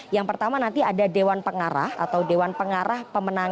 yang pertama nanti ada dewan pengarah atau dewan pengarah pemenangan